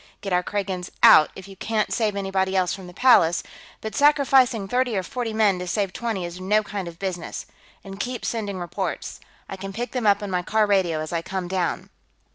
Get our Kragans out if you can't save anybody else from the Palace, but sacrificing thirty or forty men to save twenty is no kind of business. And keep sending reports; I can pick them up on my car radio as I come down."